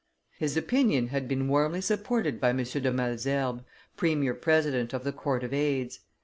His opinion had been warmly supported by M. de Malesherbes, premier president of the Court of Aids.